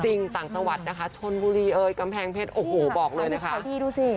ต่างจังหวัดนะคะชนบุรีเอ่ยกำแพงเพชรโอ้โหบอกเลยนะคะเอาดีดูสิ